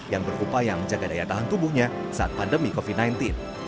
yang berupaya menjaga daya tahan tubuhnya saat pandemi covid sembilan belas